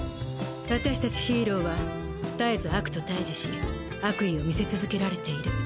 私たちヒーローは絶えず悪と対峙し悪意を見せ続けられている。